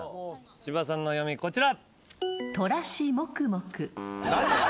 千葉さんの読みこちら。